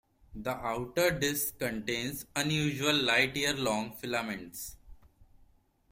The outer disk contains unusual light-year-long filaments.